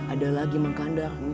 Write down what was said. ada lagi mak kandar